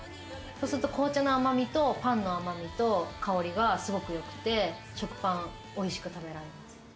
紅茶の甘みとパンの甘みと香りがすごくよくて、食パンを美味しく食べられます。